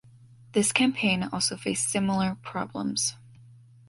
This campaign also faced similar problems.